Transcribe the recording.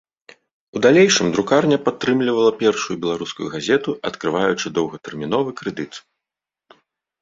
У далейшым друкарня падтрымлівала першую беларускую газету, адкрываючы доўгатэрміновы крэдыт.